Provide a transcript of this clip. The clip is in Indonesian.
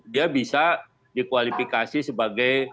dia bisa dikualifikasi sebagai tindakan umum